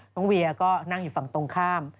เวียก็นั่งอยู่ฝั่งตรงข้าม